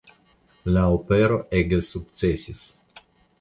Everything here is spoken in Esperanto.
La opero ege sukcesis.